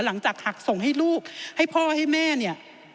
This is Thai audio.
หลังจากหักส่งให้ลูกให้พ่อให้แม่เนี่ย